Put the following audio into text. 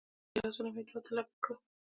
لاسونه مې دعا ته لپه کړل.